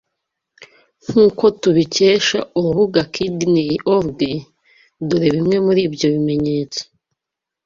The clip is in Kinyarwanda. Nk’uko tubikesha urubuga kidney.org, dore bimwe muri ibyo bimenyetso